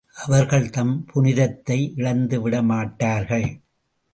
அவர்கள் தம் புனிதத்தை இழந்துவிட மாட்டார்கள்.